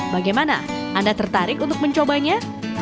bagaimana anda tertarik untuk mencobanya